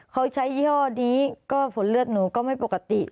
เขาใช้ยี่ห้อนี้ก็ฝนเลือดหนูก็ไม่ปกติ